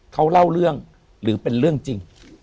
เขาเล่าเรื่องหรือเป็นเรื่องจริง